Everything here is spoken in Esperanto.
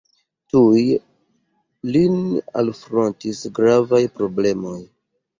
Tuj lin alfrontis gravaj problemoj.